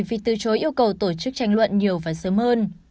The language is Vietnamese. vì từ chối yêu cầu tổ chức tranh luận nhiều và sớm hơn